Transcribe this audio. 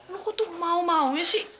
lo kok tuh mau mau ya sih